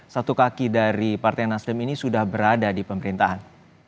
satu kaki dari partai nasdem ini sudah berada di pemerintahan